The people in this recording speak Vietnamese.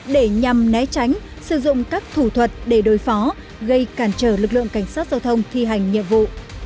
để nhằm né tránh sử dụng các thủ thuật để đối phó gây cản trở lực lượng cảnh sát giao thông thi hành nhiệm vụ